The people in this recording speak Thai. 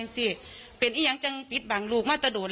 อันนั้นก็เป็นแต่ว่ามันเป็นโมงหมาย